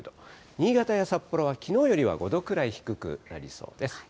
新潟や札幌はきのうよりは５度くらい低くなりそうです。